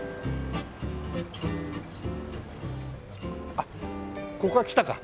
あっここは来たか。